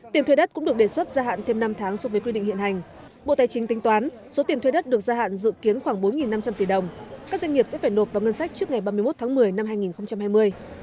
tiền thuê đất cũng được đề xuất gia hạn thêm năm tháng so với quy định hiện hành bộ tài chính tính toán số tiền thuê đất được gia hạn dự kiến khoảng bốn năm trăm linh tỷ đồng các doanh nghiệp sẽ phải nộp vào ngân sách trước ngày ba mươi một tháng một mươi năm hai nghìn hai mươi